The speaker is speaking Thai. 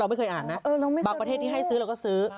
บางประเทศที่ให้ซื้อเราก็ซื้อ